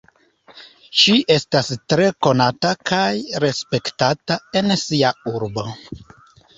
Ŝi estas tre konata kaj respektata en sia urbo.